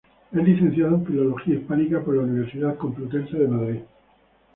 Es licenciado en Filología hispánica por la Universidad Complutense de Madrid.